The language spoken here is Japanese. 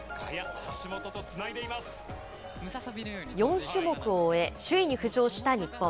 ４種目を終え、首位に浮上した日本。